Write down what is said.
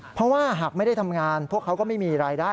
เพราะว่าหากไม่ได้ทำงานพวกเขาก็ไม่มีรายได้